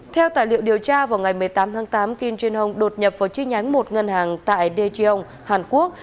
theo tài liệu điều tra vào ngày một mươi tám tháng tám kim jun hong đột nhập vào chi nhánh một ngân hàng tại daejeon hàn quốc